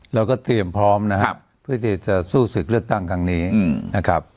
เราก็เตรียมพร้อมนะครับเพื่อที่จะสู้ศึกเลือกตั้งครั้งนี้นะครับ